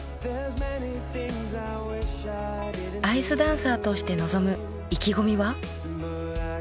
アイスダンサーとして臨む意気込みは？